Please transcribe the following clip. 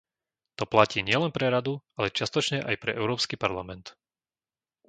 To platí nielen pre Radu, ale čiastočne aj pre Európsky parlament.